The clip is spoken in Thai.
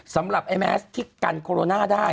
สำหรับไอ้แมสที่กันโคโรนาได้